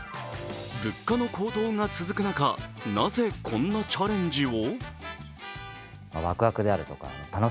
物価の高騰が続く中なぜこんなチャレンジを？